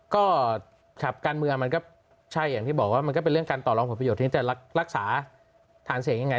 ก็ครับการเมืองมันก็ใช่อย่างที่บอกว่ามันก็เป็นเรื่องการต่อรองผลประโยชนที่จะรักษาฐานเสียงยังไง